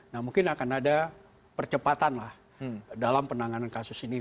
nah mungkin akan ada percepatan lah dalam penanganan kasus ini